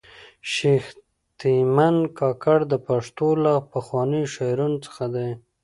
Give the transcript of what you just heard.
شېخ تیمن کاکړ د پښتو له پخوانیو شاعرانو څخه دﺉ.